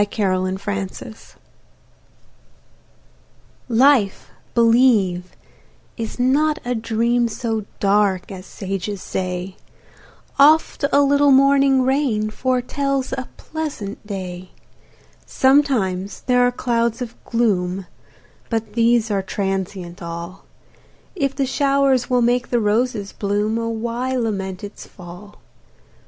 Charlotte Brontë Life LIFE, believe, is not a dream, So dark as sages say; Oft a little morning rain Foretells a pleasant day: Sometimes there are clouds of gloom, But these are transient all; If the shower will make the roses bloom, Oh, why lament its fall?